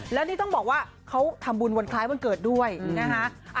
แล้วนี่ต้องบอกว่าเขาทำบุญวันคล้ายวันเกิดด้วยนะคะ